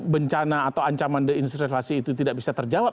bencana atau ancaman deinsurisasi itu tidak bisa terjawab